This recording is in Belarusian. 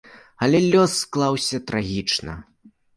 Але лёс склаўся трагічна.